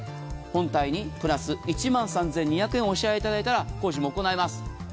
本体にプラス１万３２００円お支払いただいたら工事も行います。